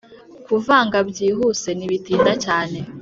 kuvanga byihuse nibitinda cyane